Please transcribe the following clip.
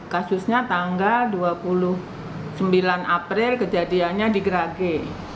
kasusnya tanggal dua puluh sembilan april kejadiannya di gerage